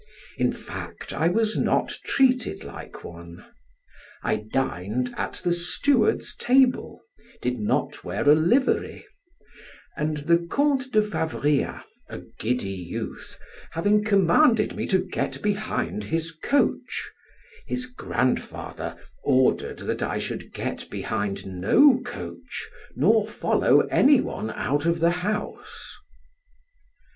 In fact, I was not treated like one. I dined at the steward's table; did not wear a livery; and the Count de Favria (a giddy youth) having commanded me to get behind his coach, his grandfather ordered that I should get behind no coach, nor follow any one out of the house.